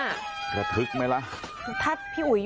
ถ้าพี่อุ๋ยอยู่ในรถคันนี้พี่อุ๋ยจะทำยังไงครับ